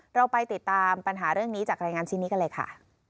เราไปติดตามปัญหาเรื่องนี้จากรายงานชิ้นนี้กันเลยค่ะ